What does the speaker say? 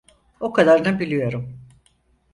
O kadarını biliyorum.